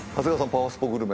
パワスポグルメ。